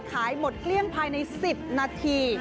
ขายหมดเกลี้ยงภายใน๑๐นาที